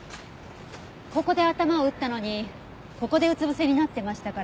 ここで頭を打ったのにここでうつ伏せになってましたから。